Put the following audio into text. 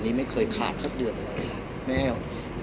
พี่อัดมาสองวันไม่มีใครรู้หรอก